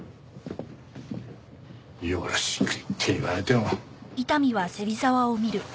よろしくって言われても。